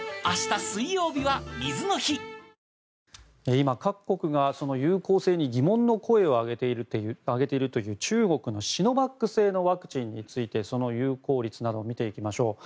今、各国が有効性に疑問の声を上げているという中国のシノバック製のワクチンについてその有効率など見ていきましょう。